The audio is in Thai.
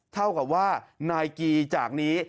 เท่ากับว่านายกีจากนี้